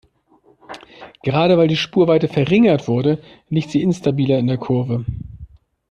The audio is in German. Gerade weil die Spurweite verringert wurde, liegt sie instabiler in der Kurve.